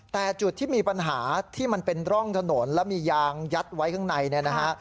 แต่จุดที่มีปัญหาที่มันเป็นร่องถนนแล้วมียางยัดไว้ข้างในเนี่ยนะฮะ